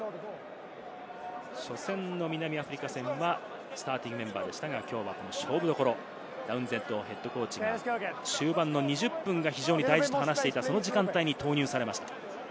初戦、南アフリカ戦はスターティングメンバーでしたが、きょうは勝負どころ、タウンゼンドＨＣが終盤２０分が非常に大事と話していた、その時間帯に投入されました。